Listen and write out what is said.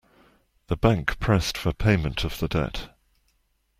The bank pressed for payment of the debt.